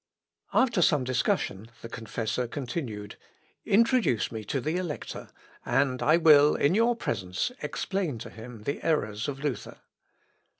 After some discussion, the confessor continued, "Introduce me to the Elector, and I will, in your presence, explain to him the errors of Luther."